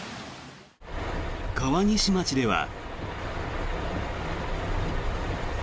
川西町では。